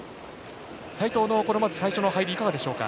齋藤の最初の入りはいかがでしょうか。